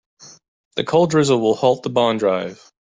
The cold drizzle will halt the bond drive.